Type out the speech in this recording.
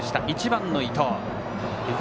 １番の伊藤。